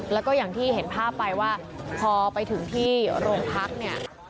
แล้วก็อย่างที่เห็นภาพไปว่าพอไปถึงที่โรงพักเนี่ย